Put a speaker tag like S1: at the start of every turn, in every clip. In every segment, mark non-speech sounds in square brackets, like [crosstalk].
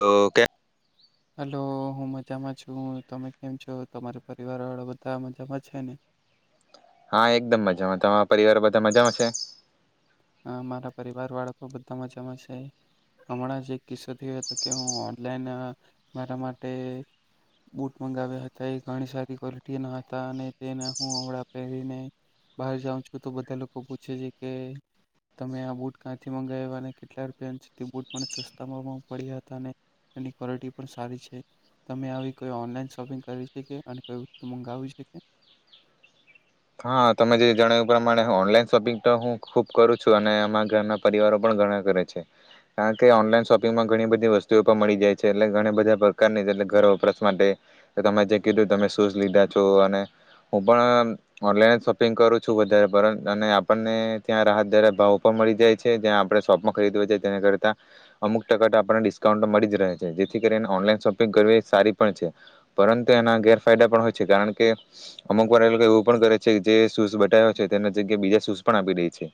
S1: તો કયા
S2: હલો હું મજામાં છું તમે કેમ છો તમારા પરિવાર વાળા બધા મજામાં છે ને?
S1: હા એકદમ મજામાં તમારા પરિવાર બધા મજામાં છે.
S2: મારા પરિવાર વાળા પણ બધા મજામાં છે હમણાં જ એક કિસ્સો થયો હતો કે હું ઓનલાઈન મારા માટે બુટ મંગાવ્યા હતા એ ઘણી સારી ક્વોલિટી ના હતા અને તેના હું હ પહેરીને બહાર જાઉં છું તો બધા લોકો પૂછે છે કે તમે આ બૂટ ક્યાંથી મંગાવ્યા અને કેટલા રૂપિયા સુધી બૂટ પણ સસ્તા પડ્યા હતા અને એની ક્વોલિટી પણ સારી છે તમે આવી કોઈ ઓનલાઈન શોપિંગ કરી શકે અને કોઈ વસ્તુ મંગાવી શકે
S1: હા તમે જે જણાવ્યું પ્રમાણે ઓનલાઈન શોપિંગ તો હું ખુબ કરું છું અને અમારા ઘરના પરિવારો પણ ઘણા કરે છે કારણ કે ઓનલાઈન શોપિંગમાં ઘણી બધી વસ્તુઓ પણ મળી જાય છે એટલે ઘણા બધા પ્રકારનીટલે ઘર વપરાસ માટે તમે જે કીધું તમે શૂઝ લીધા છો અને હું પણ ઓનલાઈન જ શોપિંગ કરું છું વધારે અને આપણને ત્યાં રાહતદાર ભાવ પણ મળી જાય છે જ્યાં આપણે શોપમાં ખરીદએ છ છે જેના કરતા અમુક ટકા આપણને ડિસ્કાઉન્ટ મળી જ રહે છે જેથી કરીને ઓનલાઈન શોપિંગ કરવી એ સારી પણ છે પરંતુ એના ગેરફાયદા પણ હોય છે કારણ કે અમુક વાર એ લોકો એવું કરે છે જે શૂઝ બતા્યો છે તેના જગ્યાએ બીજા શૂઝ પણ આપી દે છે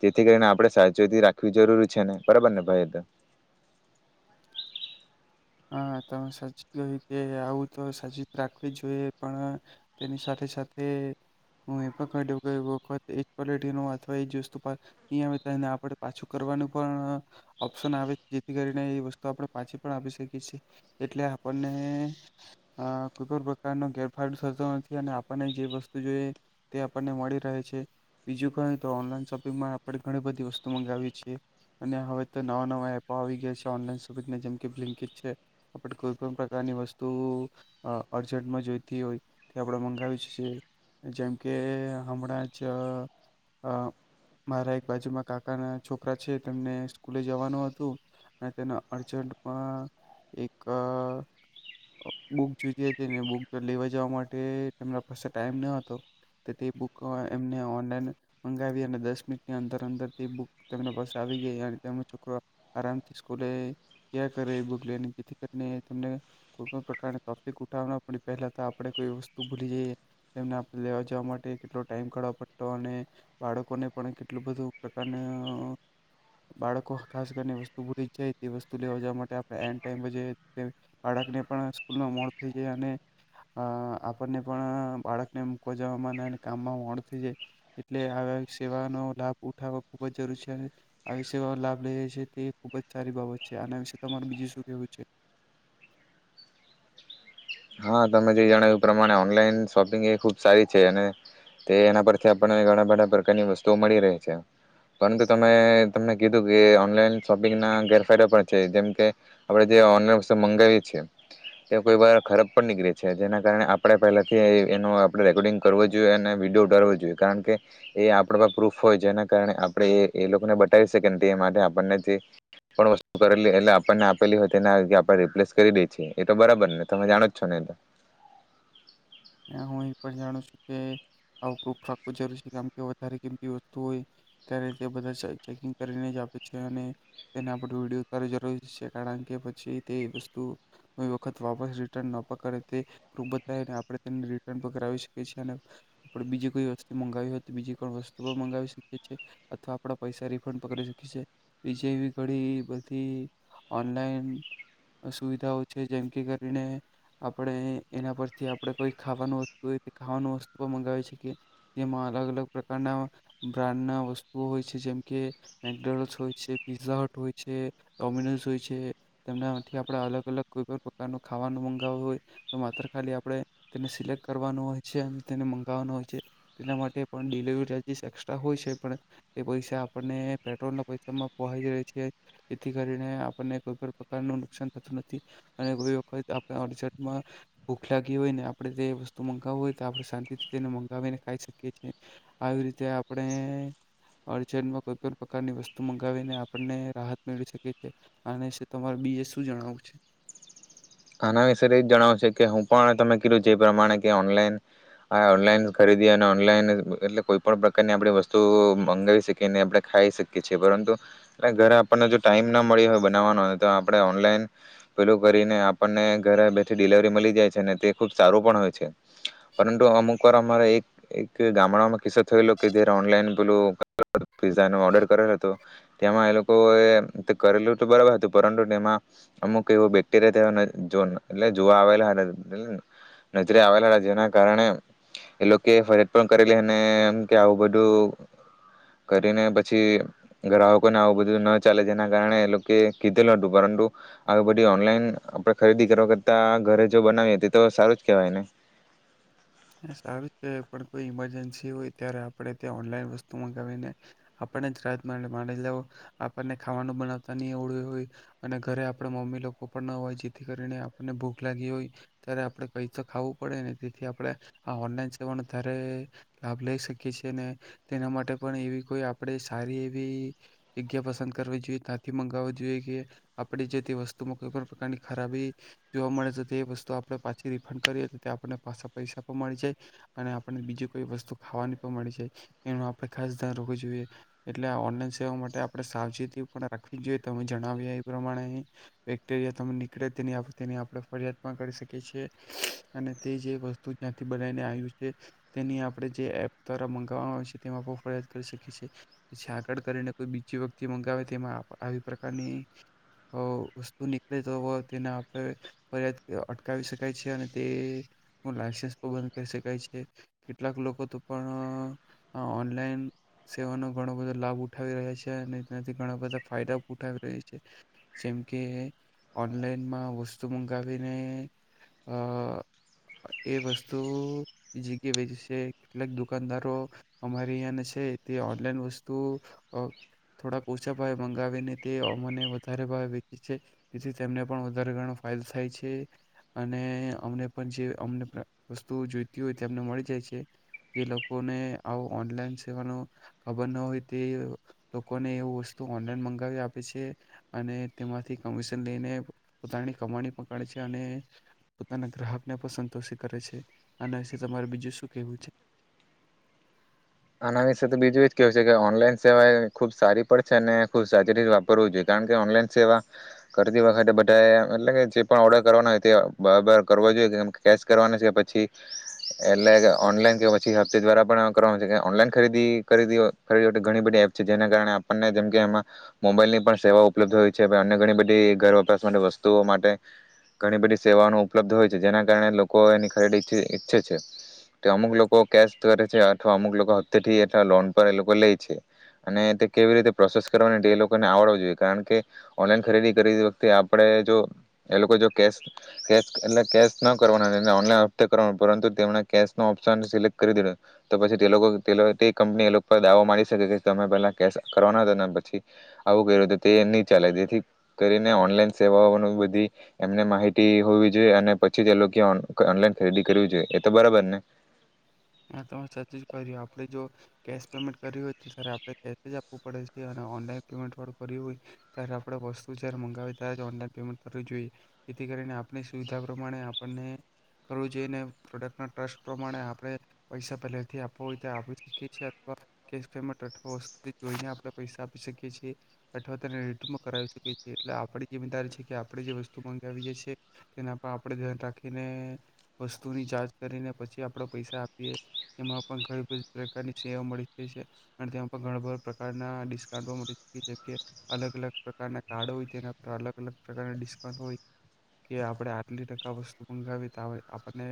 S1: જેથી કરીને આપણે સાચવેેતી રાખવી જરૂરી છે ને બરાબર ને ભાઈ તો.
S2: હા તમે સાચી કવી કે આવું તો સાચી રાખવી જ જોઈએ પણ તેની સાથે સાથે હું એ પણ કહી દઉં કે વખત એજ ક્વોલિટી ન અથવા એજ વસ્તુ નહી આવે તો આપડણે પાછું કરવાનું પણ ઓપ્શન આવે જેથી કરીને એ વસ્તુ આપણે પાછી પણ આપી શકીએ. એટલે આપણને કોઈ પણ પ્રકારનો ગેરફાયો થતો નથી અને આપણને જે વસ્તુ જોઈએ તે આપણને મળી રહે છે બીજું કોઈ તો ઓનલાઈન શોપિંગમાં આપણે ઘણી બધી વસ્તુ મગાવી છેએ અને હવે તો નવા નવા એપો આવી ગયા છે ઓનલાન શોપિંગ જેમ છે આપ કોઈ પણ પ્રકારની વસ્તુ અર્જન્ટમાં જોઈતી હોય તે આપણે મંગાવી છએ જેમ કે હમણાં જ મારા એક બાજુમાં કાકાના છોકરા છે તેમને સ્કૂલે જવાનું હતું અને તેને અર્જન્ટમાં એક બુક જોઈતી હતી એટલે બૂક લેવા જવા માટેના પાસે ટાઈમ ન હતો તે બુક એમને ઓનલાઈન મંગાવી અને દસ મિનિટની અંદર અંદર તે બૂક તેમના પાસે આવી ગઈ અને તેમનો છોકરો આરામથી સ્કૂલે જે કરે એ જેથી કરીને એને કોઈ પ્રકાર કફિક ઉઠાવના પડી પહેલા તો આપણેે કોઈ વસ્તુ ભૂલી જઈ તેમને આપ લેવા જવા માટે કેટલો ટાઈમ કાઢ પડતો અને બાળકોને પણ કેટલું બધું પ્રકાર બાળકો ખાસ કરીને વસ્તુ ભૂલી જાય તે વસ્તુ લેવા જવા માટે એડ ટાઈમ બાળકને પણ સ્કૂલમાં મોડ થઈ જાય અને આપણને પણ બાળકને મૂકોવા જવામાં કામમાં મોડ થઈ જાય એટલે આ સેવાનો લાભ ઉઠાવો ખુબ જ જરૂરી છે અને આવી સેવા લાભ લઈ જાય છે તે ખુબ જ સારી બાબત છે આના વિશે તમાર બીજું શું કેવું છે?
S1: હા તમે જે જણાવ્યું એ પ્રમાણે ઓનલાઈન શોપિંગ એ ખૂબ સારી છે અને તે એના પરથી આપણને ઘણા બધા પ્રકારની વસ્તુઓ મળી રહે છે પરંતુ તમે તમને કીધું કે ઓનલાઈન શોપિંગના ગેરફાયદા પણ છે જેમ કે આપણે જે ઓનલાઈન વસ્તુ મંગાવી છે તે કોઈ વાર ખરાબ નીકળે છે જેના કારણે આપણે પહેલાથી એનો આપણે રેકોર્ડિંગ કરવો જોઈએ અને વિડીયો ઉતળવો જોઈએ કારણ કે એ આપણે પ્રૂફ હોય જેના કારણે આપણે એ એ લોકોને બતાવી શકીને તે માટે આપણને જે પણ વસ્તુ કરેલી એટલે આપણને આપેલી હોય તેના આપણે રિપ્લેસ કરી દે છીએ એ તો બરાબર ને તમે જાણો છો. [unintelligible]
S2: હું એ પણ જાણું છું કે આવું પ્રૂફ રાખવું જરૂરી છે કેમ કે વધારે કિંતી વસ્તુ હોય ત્યારે તે બધા ચેકિંગ કરીને જ આપે છે અને તેને વિડીયો ત જરૂરી છે કારણ કે પછી તે વસ્તુ કોઈ વખત વાપ રિટર્ન ન પણ કરે તે [unintelligible] આપણે રટન પણાવી શકીએ છીએ અને આપણે બીજી કોઈ વસ્તુ મંગાવી હોય તો બીજી કો વસ્તુ પણ મંગાવી શકીએ છીએ અથવા આપણા પૈસા રિફંડ પણ શકીએ છીએ બીજી એવી ઘણી બધી ઓનલાઈન સુવિધાઓ છે જેમ કે કરીને આપણે એના પરથી આપણે કોઈ ખાવાનું વસ્તુ હોય તે ખાવાની વસ્તુ પણ મંગાવે છે કે તેમાં અલગ અલગ પ્રકારના બ્રાન્ડના વસ્તુઓ હોય છે જેમકે મેકડોનસ હોય છે પીઝા હટ હોય છે ડોમિનોઝ હોય છે તેમનાથી આપણે અલગ અલગ કોઈ પણ પ્રકારનું ખાવાનું મંગાવું હોય તો માત્ર ખાલી આપણે તેને સિલેક્ટ કરવાનું હોય છે અને તેને મંગાવવાનો હોય છે તેના માટે પણ ડિલિવરી ચાર્જીસ એસ્ટ્રા હોય છે પણ એ પૈસા આપણને પેટ્રોલના પૈસામાં પહંચીાય છે જેથી કરીને આપણને કોઈ પણ પ્રકારનું નુકસાન થતું નથી અને કોઈ વખત આપ અર્જમાં ભૂખ લાગી હોય ને આપણે જે વસ્તુ મંગાવું હોય તો આપણે શાંતિથી તેને મંગાવીને ખાઈ શકીએીએ આવી રીતે આપણે અજમાં કોઈ પણ પ્રકારની વસ્તુ મંગાવીને આપને રાહત મેળવી શકીએ છ છેએ આ તમારે બીજે શું જણાવું છે?
S1: આના વિશે એ જ જણાવશે કે હું પણ તમે કીધું જે પ્રમાણે કે ઓનલાઈન આ ઓનલાઈન ખરીદી અને ઓનલાઈન એટલે કોઈ પણ પ્રકારની આપ વસ્તુ મંગાવી શકીએ આપણે ખાઈ શકીએ છીએ પરંતુ એ ઘરે આપણને જો ટાઈમ ના મળી હોય બનાવવાનો તો આપણે ઓનલાઈન પેલું કરીને આપણને ઘરે બેઠી ડિલવરી મળી જાય છે ને તે ખુબ સારું પણ હોય છે પરંતુ અમુક વાર અરા એક એક ગામડામાં કિસ્સો થયેલો કે જારે ઓનલાઈન પેલું પિઝા ન ઓર્ડર કરેલો હતો તમાં એ લોકોએ કરેલું તો બરાબર હતું પરંતુ તેમાં અમુક એવો બેક્ટેરિયાવા જોવા આવે લા એ નજરે આવેલા હતા જેના કારણે એ લોકો ફરિયાજ પણ કરેલીમ કે આવું બધું કરીને પછી ગ્રાહકોને આવું બધું ના ચાલે જેના કારણે એ લોકો કીધેલ હતું પરંતુ આ બધું ઓનલાઈન ખરીદી કરવા કરતા ઘરે જો બનાવી હતી તો સારું જ કેહેવાયને
S2: સારું છે પણ કોઈ ઈમરજન્સી હોય ત્યારે આપણે ત્યાં ઓનલાઈન વસ્તુ મગાવીને આપણે જ રાત મા લ આપણને ખાવાનું બનાવતા નહી ઓવડ હોય અને ઘરે આપણે મમ્મી લોકો પણ ના હોય જેથી કરીને આપણને ભૂખ લાગી હોય ત્યારે આપણે કઈ તો ખાવું પડે ને તેથી આપણે હ ઓનલાઈન સેવાનો વધારે લાભ લઈ શકીએ છેએ ને તેના માટે પણ એવી કોઈ આપણે સારી એવી જગ્યા પસંદ કરવી જોઈએ ત્યાંથી મગાવવુ જોઈએ કે આપણે જે તે વસ્તુમાં કોઈ પણ પ્રકારની ખરાબી જોવા મળે તો તે વસ્તુ આપણે પાછી રિફંડ કરીએ તો તે આપને પાછા પૈસા અને આપણે બીજી કોઈ વસ્તુ ખાવાની પણ મળી જાય એનું આપણે ખાસ ધ્યાન રવું જોઈએ એટલે ઓનલાઈન સેવા માટે આપણે સાવચેતી પણ રાખવી જોઈએ તમે જણાવીએ એ પ્રમાણે બેક્ટરીયા ત નીકળે તેની તેની આપણે ફરિયાદ પણ કરી શકીએ છએ અને તે જે વસ્તુ ત્યાંથી બનાવીને આવ્યું છે તેની આપણે જે એપ દ્વારા મંગાવવામાં આવે છે તેમાં ફરિયાદ કરી શકી છેએ પાછી આગળ કરીને કોઈ બીજી વતે મંગાવે તેમાં આવી પ્રકારની વસ્તુ નીકળે તો તેને આપણે ફરિયાદ અટકાવી શકાય છે અને તે લન્સ કરીક કેટલાક લોકો તો પણ ઓનલાઈન સેવાનો ઘણો બધો લાભ ઉઠાવી રહ્યા છે અને તેનાથી ઘણા બધા ફાયદા ઉઠાવી રહ્યા છે જેમ કે ઓનલાઈનમાં વસ્તુ મંગાવીને અ એ વસ્તુ જગ્યા વેચ છે કેટલાક દુકાનદારો અમારી અંહી ના છે તે ઓનલાઈન વસ્તુ અ થોડાક ઓછા ભાવે મંગાવીને તે અને વધારે ભાવે વેચે છે તેથી તેમને પણ વધારે ગણો ફાયદો થાય છે અને અમને પણ જે અમને વસ્તુ જોઈતી હોયને મળી જાય છે જે લોકોને આવ ઓનલાઈન સેવાનો ખબર ન હોય તે લોકોને એવ વસ્તુ ઓનલાઈન મંગાવી આપે છે અને તેમાંથી કમિશન લઈને પોતાની કમાણી પકડે છે અને પોતાના ગ્રાહક ને પણ સંતોષિત કરે છે આના વિશે તમારે બીજું શું કેવું છે
S1: આના વિશે તો બીજું એ કેવું છે કે ઓનલાઈન સેવા એ ખુબ સારી પડ છે અને ખુબ સાચી રીતે વાપરવું જોઈએ કારણ કે ઓનલાઈન સેવા કરતી વખતે બધા એટલે કે જે પણ ઓર્ડર કરવાનો હોય તે બરાબર કરવો જોઈએ કે કેશ કરવાનો છે કે પછી એટલે ઓનલાઈન કે પછી હપતે દ્વારા પણ કરવાનું ઓનલાઈન ખરીદી ખ ખરી હો ઘણી બધી એપ છે જેના કારણે આપણને જેમ કે એમાં મોબાઈલની પણ સેવા ઉપલબ્ધ હોય છે અન્ય ઘણી બધી ઘર વપરાશ માટે વસ્તુઓ માટે ઘણી બધી સેવાઓ ન ઉપલબ્ધ હોય છે જેના કારણે લોકો એની ખરીદી ઈચ્છે છે કે અમુક લોકો કેશ કરે છે અમુક લોકો હપ્તે થી એટલા લોન પર એ લોકો લે છે અને તે કેવી રીતે પ્રોસેસ કરવાની એ લોકોને આવડવો જોઈએ કારણ કે ઓનલાઈન ખરીદી કરી વખતે આપણે જો એ લોકો કેસ કેસ એટલે કેસ ના કરવાના ઓનલાઇન હફ્તે કરવું પરંતુ તેમણે કેશ ન ઓપ્શન સિલેક્ટ કરી દીધો તો પછી તે લોકો તે કંપની એ લોકો પર દાવો માની શકે કે તમે પેલા કેશ કરવાના હતા ને પછી આવું કર્યું તે નહી ચાલે તેથી કરીને ઓનલાઈન સેવાઓ બધી એમને માહિતી હોવી જોઈએ અને પછી તે લોકો ઓનલાઈન ખરીદી કરવી જોઈએ એ તો બરાબર ને
S2: આપણે જો કેસ પેમેન્ટ કર હોય આપણે આપવું પડે છે અને ઓનલાઇન પેમેન્ટ વાળું કરિયું હોય ત્યારે આપ વસ્તુ જારે મંગાવી ત્યારે પેમેન્ટ કર જોઈએ જેથી કરીને આપણી સુવિધા પ્રમાણે આપને કરું જોઈએ પ્રોડક્ટ ટ્રસ્ટ પ્રમાણે આપણે પૈસા પહેથી આપ હોય આપી શકી છીવા કેસ પેન્ટ જોઈ આપ પૈસા આપી શકી છએ અવા તે ર કરાવી શકીએ એટલે આપડી જીમેદારી છે કે આપણે જે વસ્તુ મગાવીએીએ તેના પર આપે ધ્યાન રાખીને વસ્તુની જાચ કરીને પછી આપડ પૈસા એમાં પણ ઘણી બધી પ્રકારની સેવા મળી છે અને તેમાં પણ ઘણા બધા પ્રકારના ડિસ્કાન્ટ મળી જે અલગ અલગ પ્રકારના કાર્ડ હોય છે તેના પર અલગ અલગ પ્રકારનાિસ્ઉ હોય કે આપણે આટલી ટકા વસ્તુ મંગાવી આપને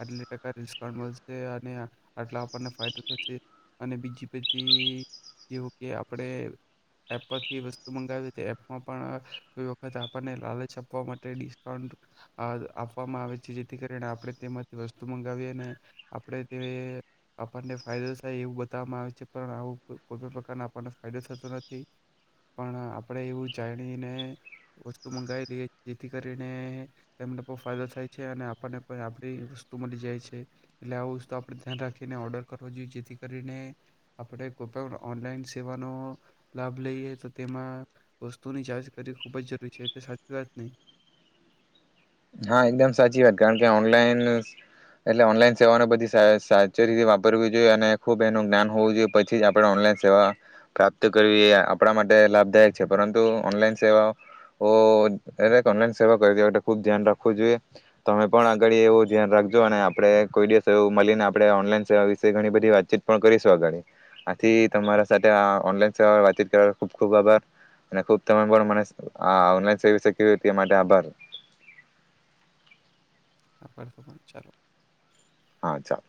S2: આટ ટઉ આટલો ફાયદો અને બીજી બધી એવું કે આપણે એપ પરથી વસ્તુ મંગાવ એપમાં પણ કોઈ વખત આપણને લાલચ આપવા માટે ડિસ્કાઉન્ટ આપવામાં આવે છે જેથી કરીને આપણે તેમાંથી વસ્તુ મંગાવી અને આપણે તે આપણને ફાયદો થાય એવું બતાવવામાં આવે છે પણ આવું કોઈ પણ પ્રકારના આપણને ફાયદો થતો નથી પણ આપણે એવું જાણીને વસ્તુ મંગાવી લઈએ જેથી કરીને એને પણ ફાયદો થાય છે અને આપણને પણ આપણી વસ્તુ મળી જાય છે એટલે આ વસ્તુ આપણે ધ્યાન રાખીને ઓર્ડર કરવા જોઈએ જેથી કરીને આપણે કોઈ પણ ઓનલાઈન સેવાનો લાભ લઈએ તો તેમાં વસ્તુની જાંચ કરવી ખૂબ જ જરૂરી છે એલે સાચી વાત નહી
S1: હા એકદમ સાચી વાત કારણ કે ઓનલાઈન એટલે ઓનલાઈન સેવાને બધી સાચી રીતે વાપરવી જોઈએ અને ખુબ એનું જ્ઞાન હોવું જોઈએ પછી જ આપણે ઓનલાઈન સેવા પ્રાપ્ત કરવી એ આપણા માટે લાભદાયક છે પરંતુ ઓનલાઈન સેવાઓ દરેક ઓનલાઈન સેવા કરતી ખુબ ધ્યાન રાખ જો તમે પણ આગળ એવું ધ્યાન રાખજો અને આપણે કોઈ દિવસ મળીને આપણે ઓનલાઈન સેવા વિશે ઘણી બધી વાતચીત પણ કરીશું આગળ આથી તમારા સાથે ઓનલાઈન સેવા વાતચીત કરવા ખૂબ ખુબ આભાર અને ખુબ તમે પણ મને આ ઓનલાઈન સેવા વિ કે માટે આભાર
S2: ચાલો
S1: હા ચાલ